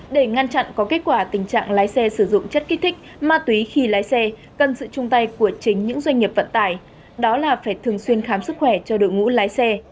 để ngăn chặn có kết quả tình trạng lái xe sử dụng chất kích thích ma túy khi lái xe cần sự chung tay của chính những doanh nghiệp vận tải đó là phải thường xuyên khám sức khỏe cho đội ngũ lái xe